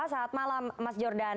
selamat malam mas jordan